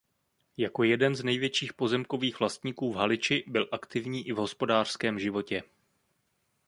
Jako jeden z největších pozemkových vlastníků v Haliči byl aktivní i v hospodářském životě.